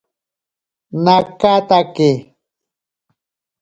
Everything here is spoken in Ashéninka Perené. Naakatake.